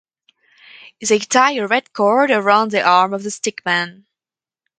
They tie a red cord around the arm of the sick man.